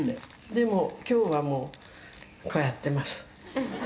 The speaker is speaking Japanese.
「でも今日はもうこうやってます」「」